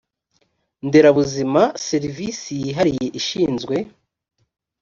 nderabuzima serivisi yihariye ishinzwe